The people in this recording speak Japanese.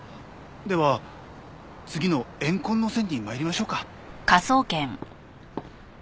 では次の怨恨の線に参りましょうか。